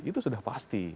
itu sudah pasti